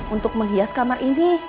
untuk menghias kamar ini